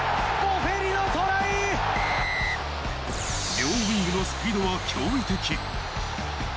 両ウイングのスピードは驚異的。